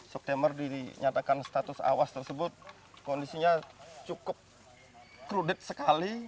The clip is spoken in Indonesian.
september dinyatakan status awas tersebut kondisinya cukup krudet sekali